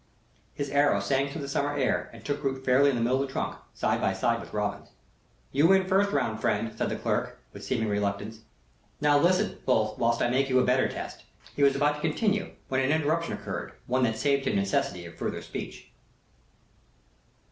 His arrow sang through the summer air, and took root fairly in the middle of the trunk, side by side with Robin's. "You win first round, friend," said the clerk, with seeming reluctance. "Now, listen, both, whilst I make you a better test." He was about to continue, when an interruption occurred one that saved him necessity of further speech.